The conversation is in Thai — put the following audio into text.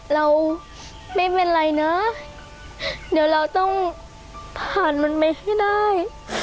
เราไม่เป็นไรนะเดี๋ยวเราต้องผ่านมันไปให้ได้